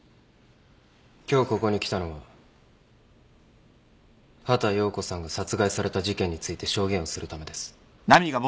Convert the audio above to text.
今日ここに来たのは畑葉子さんが殺害された事件について証言をするためです。